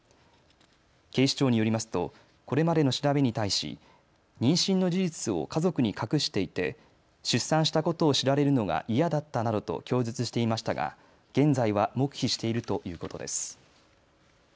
警視庁によりますとこれまでの調べに対し妊娠の事実を家族に隠していて出産したことを知られるのが嫌だったなどと供述していましたが現在は黙秘しているということです。